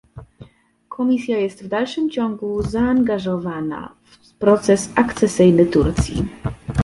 Komisja jest w dalszym ciągu zaangażowana w proces akcesyjny Turcji